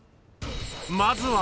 ［まずは］